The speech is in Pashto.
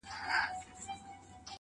نور به شاعره زه ته چوپ ووسو.